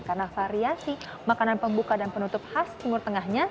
karena variasi makanan pembuka dan penutup khas timur tengahnya